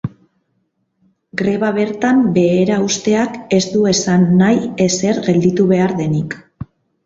Greba bertan behera uzteak ez du esan nahi ezer gelditu behar denik.